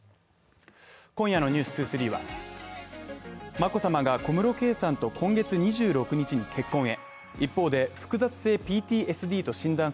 今夜の「ｎｅｗｓ２３」は、眞子さまが小室圭さんと今月２６日に結婚へ。